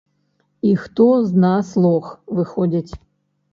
І хто з нас лох, выходзіць?